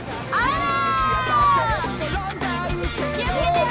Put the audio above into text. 気をつけてよ！